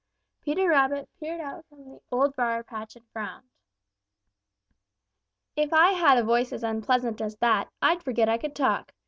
Peter Rabbit peered out from the dear Old Briar patch and frowned. "If I had a voice as unpleasant as that, I'd forget I could talk.